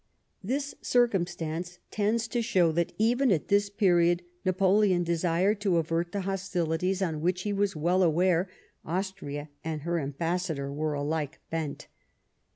This circumstance THE EMBASSY TO PARIS. 41 tends to show that, even at this period, Napoleon desired to avert the hostilities on which, he was well aware, Austria and her ambassador were alike bent.